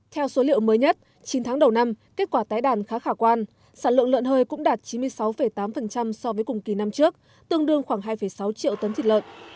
theo số liệu mới nhất chín tháng đầu năm kết quả tái đàn khá khả quan sản lượng lợn hơi cũng đạt chín mươi sáu tám so với cùng kỳ năm trước tương đương khoảng hai sáu triệu tấn thịt lợn